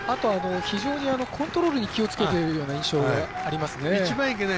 あと、非常にコントロールに気をつけている印象がありますね。